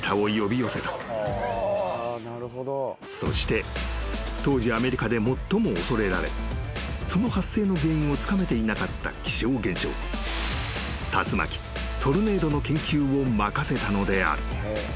［そして当時アメリカで最も恐れられその発生の原因をつかめていなかった気象現象竜巻トルネードの研究を任せたのである］